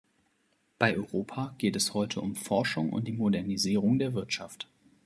Bei Europa geht es heute um Forschung und die Modernisierung der Wirtschaft.